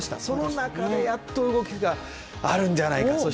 その中でやっと動きがあるんじゃないか。